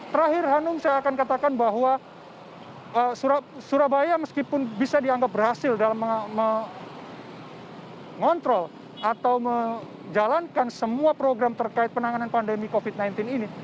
terakhir hanum saya akan katakan bahwa surabaya meskipun bisa dianggap berhasil dalam mengontrol atau menjalankan semua program terkait penanganan pandemi covid sembilan belas ini